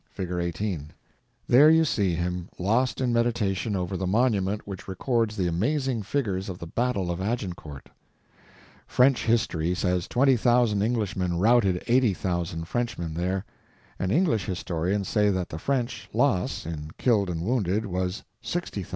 (Fig. 18) There you see him lost in meditation over the monument which records the amazing figures of the battle of Agincourt. French history says 20,000 Englishmen routed 80,000 Frenchmen there; and English historians say that the French loss, in killed and wounded, was 60,000.